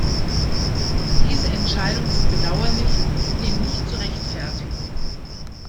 Diese Entscheidung ist bedauerlich und zudem nicht zu rechtfertigen.